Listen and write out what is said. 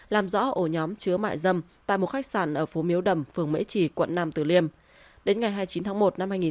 làm rõ ổ nhóm chứa mại dâm tại một khách sạn ở phố miếu đầm phường mễ trì quận nam tử liêm